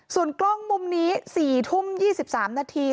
ส่วนกล้องมุมนี้สี่ทุ่มยี่สิบสามนาที